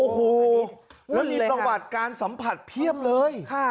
โอ้โหแล้วมีประวัติการสัมผัสเพียบเลย